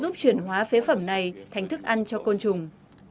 giúp chuyển hóa phế phẩm này thành thức ăn cho côn trùng